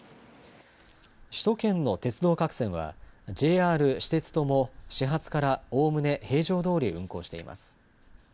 首都圏の鉄道各線はＪＲ、私鉄とも始発からおおむね平常どおり運行しています。